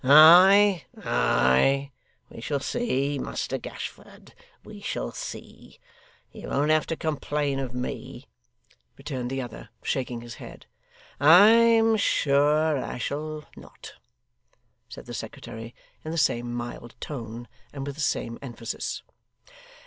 'Ay, ay, we shall see, Muster Gashford, we shall see. You won't have to complain of me,' returned the other, shaking his head. 'I am sure I shall not,' said the secretary in the same mild tone, and with the same emphasis.